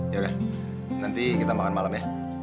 ya udah nanti kita makan malam ya